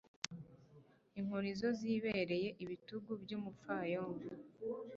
inkoni zo zibereye ibitugu by'umupfayongo